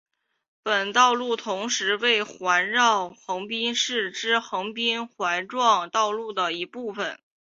本道路同时为环绕横滨市之横滨环状道路的一部份。